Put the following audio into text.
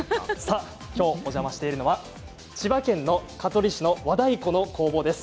きょう、お邪魔しているのは千葉県の香取市の和太鼓の工房です。